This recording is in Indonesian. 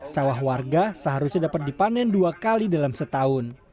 sawah warga seharusnya dapat dipanen dua kali dalam setahun